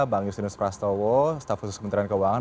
bang justinus prastowo staf khusus kementerian keuangan